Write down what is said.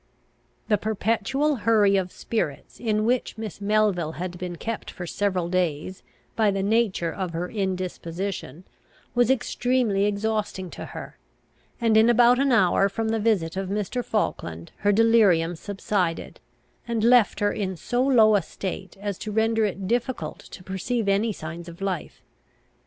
The perpetual hurry of spirits in which Miss Melville had been kept for several days, by the nature of her indisposition, was extremely exhausting to her; and, in about an hour from the visit of Mr. Falkland, her delirium subsided, and left her in so low a state as to render it difficult to perceive any signs of life.